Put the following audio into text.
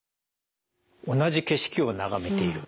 同じ景色を眺めている。